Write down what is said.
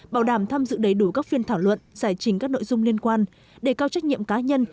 bảo đảm tham dự đầy đủ các phiên thảo luận giải trình các nội dung liên quan để cao trách nhiệm cá nhân